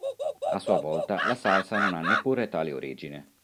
A sua volta, la salsa non ha neppure tale origine.